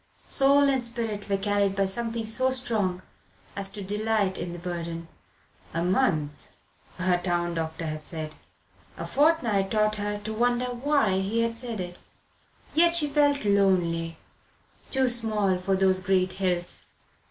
Soul and spirit were carried by something so strong as to delight in the burden. A month, her town doctor had said. A fortnight taught her to wonder why he had said it. Yet she felt lonely too small for those great hills.